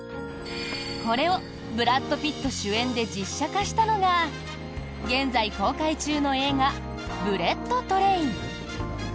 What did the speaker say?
これをブラッド・ピット主演で実写化したのが現在公開中の映画「ブレット・トレイン」。